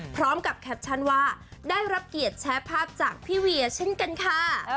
แคปชั่นว่าได้รับเกียรติแชร์ภาพจากพี่เวียเช่นกันค่ะ